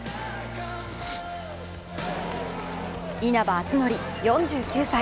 稲葉篤紀４９歳。